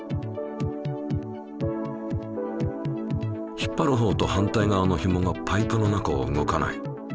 引っ張るほうと反対側のひもがパイプの中を動かない。